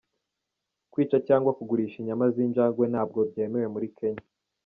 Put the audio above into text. Kwica cyangwa kugurisha inyama z’injangwe ntabwo byemewe muri Kenya.